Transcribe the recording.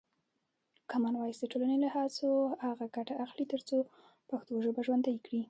کامن وایس د ټولنې له هڅو څخه ګټه اخلي ترڅو پښتو ژبه ژوندۍ کړي.